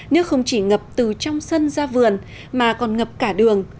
nước không chỉ ngập từ trong sân ra vườn mà còn ngập cả đường